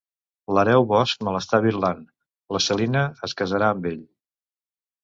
L'hereu Bosch me l'està birlant: la Celina es casarà amb ell.